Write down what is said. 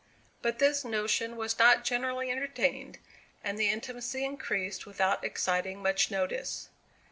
But this notion was not generally entertained, and the intimacy increased without exciting much notice.